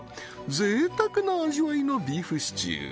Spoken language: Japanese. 贅沢な味わいのビーフシチュー